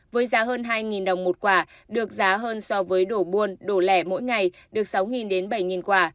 với giá hơn hai đồng một quả được giá hơn so với đổ buôn đồ lẻ mỗi ngày được sáu đến bảy quả